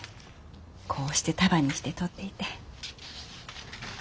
こうして束にして取っていて。